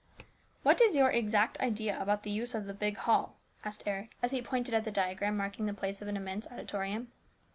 " What is your exact idea about the use of the big hall ?" asked Eric as he pointed at the diagram marking the place of an immense auditorium.